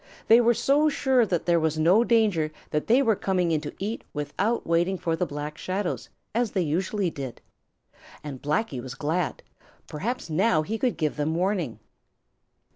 They were so sure there was no danger that they were coming in to eat without waiting for the Black Shadows, as they usually did. And Blacky was glad. Perhaps now he could give them warning.